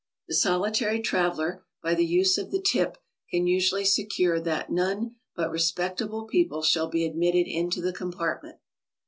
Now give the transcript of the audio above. The soli tary traveler by the use of the tip can usually secure that none but respectable people shall be admitted into the com partment.